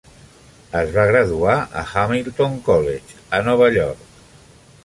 Es va graduar a Hamilton College a Nova York.